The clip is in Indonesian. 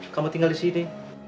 kamu tinggal di sini